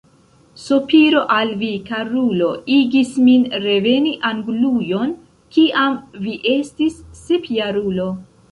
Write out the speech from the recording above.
Sopiro al vi, karulo, igis min reveni Anglujon, kiam vi estis sepjarulo.